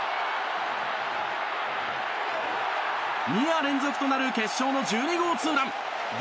２夜連続となる決勝の１２号ツーラン。